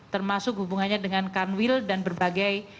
termasuk hubungannya dengan kanwil dan juga dengan pembangunan pajak